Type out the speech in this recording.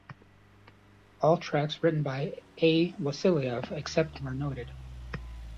All tracks written by A. Wasiliev, except where noted.